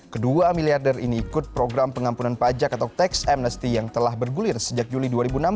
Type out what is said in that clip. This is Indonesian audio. kedua miliarder ini ikut program pengampunan pajak atau tax amnesty yang telah bergulir sejak juli dua ribu enam belas